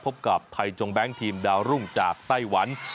พบกับไทยจงแบงค์ทีมดาวรุ่งจากไต้หวัน